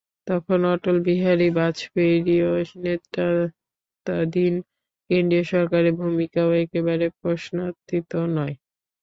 তখন অটল বিহারি বাজপেয়ির নেতৃত্বাধীন কেন্দ্রীয় সরকারের ভূমিকাও একেবারে প্রশ্নাতীত নয়।